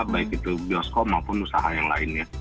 baik itu bioskop maupun usaha yang lainnya